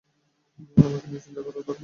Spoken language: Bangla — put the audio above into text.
আমাকে নিয়ে চিন্তা করা বন্ধ কর।